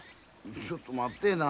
ちょっと待ってえな。